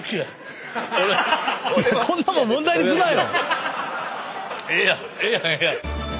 こんなもん問題にすなよ！